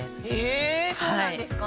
えそうなんですか？